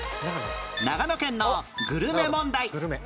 長野県のグルメ問題